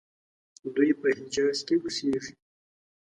دوی په حجاز کې اوسیږي.